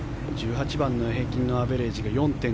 １８番の平均のアベレージが４．５２６。